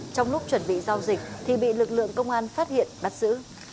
trong lúc chuẩn bị giao dịch thì bị lực lượng công an phát hiện bắt giữ